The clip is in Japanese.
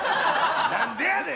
何でやねん！